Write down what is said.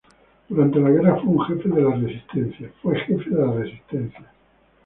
Durante la guerra fue un jefe de la resistencia.